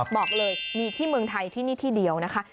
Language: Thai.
บอกเลยมีที่เมืองไทยที่นี่ที่เดียวนะคะ